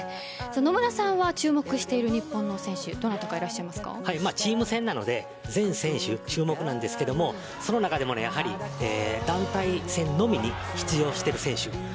野村さんは注目している日本の選手チーム戦なので全選手注目ですがその中でも団体戦のみに出場している選手です。